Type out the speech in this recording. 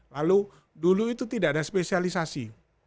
lalu dulu itu tidak ada spesialisasi